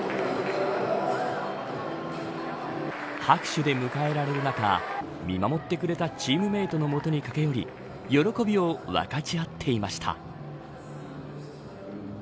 拍手で迎えられる中見守ってくれたチームメートの元に駆け寄り喜びを分かち合っていました。